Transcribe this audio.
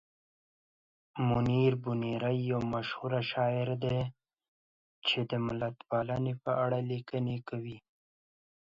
منیر بونیری یو مشهور شاعر دی چې د ملتپالنې په اړه لیکنې کوي.